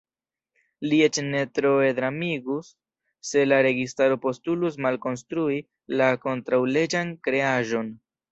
Li eĉ ne troe dramigus, se la registaro postulus malkonstrui la kontraŭleĝan kreaĵon.